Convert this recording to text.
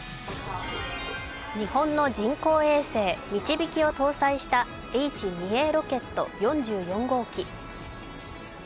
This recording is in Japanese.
日本の人工衛星「みちびき」を搭載したＨ２Ａロケット４４号機。